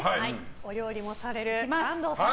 お料理もされる安藤さん。